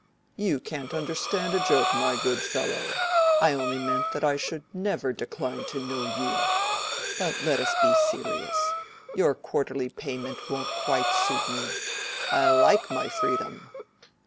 "You can't understand a joke, my good fellow. I only meant that I should never decline to know you. But let us be serious. Your quarterly payment won't quite suit me. I like my freedom."